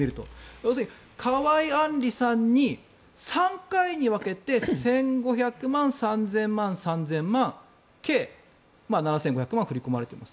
要するに河井案里さんに３回に分けて１５００万、３０００万３０００万で計７５００万円振り込まれています。